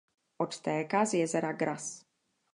Odtéká z jezera Gras.